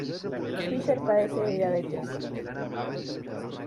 Fischer padece de diabetes.